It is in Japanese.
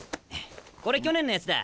これ去年のやつだ。